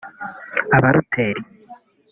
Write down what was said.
Abaluteri